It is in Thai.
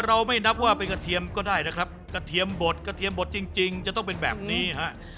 เราไม่นับว่าเป็นกระเทียมก็ได้นะครับกระเทียมบดกระเทียมบดจริงจริงจะต้องเป็นแบบนี้ฮะ